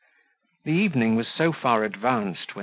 The evening was so far advanced, when M.